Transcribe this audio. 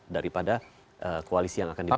daripada koalisi yang akan dipilih